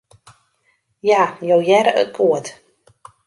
Ja, jo hearre it goed.